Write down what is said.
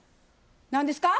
何ですか？